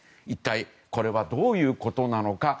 一体これはどういうことなのか。